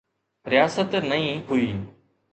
رياست نئين هئي.